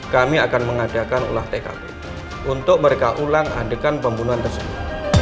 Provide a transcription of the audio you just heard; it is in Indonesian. kami akan mengadakan olah tkp untuk mereka ulang adegan pembunuhan tersebut